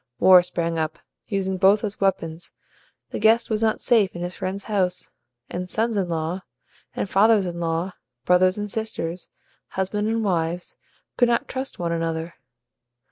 War sprang up, using both as weapons; the guest was not safe in his friend's house; and sons in law and fathers in law, brothers and sisters, husbands and wives, could not trust one another.